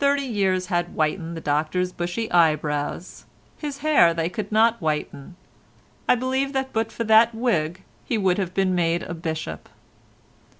Thirty years had whitened the Doctor's bushy eyebrows—his hair they could not whiten. I believe that but for that wig he would have been made a bishop.